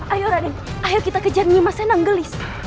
ayo raden ayo kita kejar nimasenanggelis